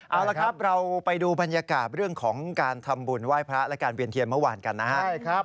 เอาละครับเราไปดูบรรยากาศเรื่องของการทำบุญไหว้พระและการเวียนเทียนเมื่อวานกันนะครับ